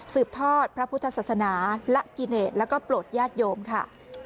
ทอดพระพุทธศาสนาละกิเนตแล้วก็โปรดญาติโยมค่ะ